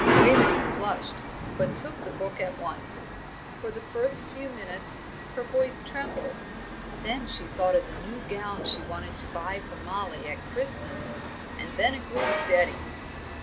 Waveney flushed, but she took the book at once. For the first few minutes her voice trembled: then she thought of the new gown she wanted to buy for Mollie at Christmas, and then it grew steady.